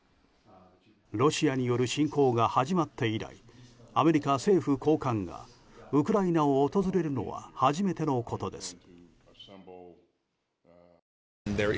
ロシアによる侵攻が始まって以来アメリカ政府高官がウクライナを訪れるのは初めてのことです。